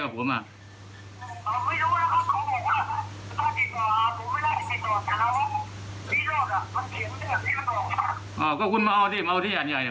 จ้าพร้าวอ่ะแล้วคุณยายห์ผมมากับผมเพื่ออะไรอ่ะ